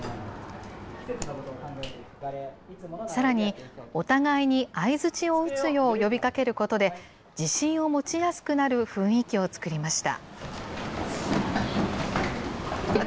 さらに、お互いに相づちを打つよう呼びかけることで、自信を持ちやすくなる雰囲気を作りました。